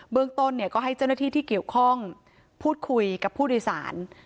เมืองต้นก็ให้เจ้าหน้าที่ที่เกี่ยวข้องพูดคุยกับผู้โดยสาร